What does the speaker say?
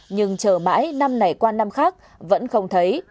nhưng chờ mãi năm này qua năm khác vẫn không thấy